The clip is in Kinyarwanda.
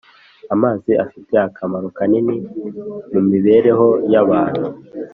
Amazi afite akamaro kanini mu mibereho y’abantu